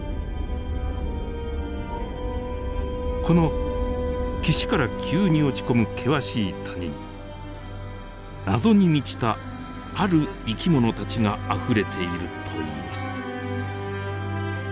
この岸から急に落ち込む険しい谷に謎に満ちたある生き物たちがあふれているといいます。